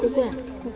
ここ！